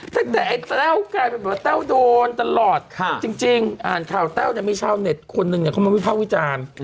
ตั้งแต่ไอ้แต้วกลายเป็นแบบว่าแต้วโดนตลอดจริงอ่านข่าวแต้วยังไม่เช่าเน็ตคนหนึ่งเนี่ยเขามาวิภาพวิจารณ์